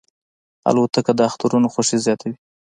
الوتکه د اخترونو خوښي زیاتوي.